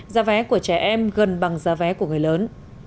giá vé của trẻ em gần bằng giá vé của người lớn